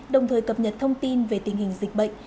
đồng thời cập nhật thông tin về tình hình dịch bệnh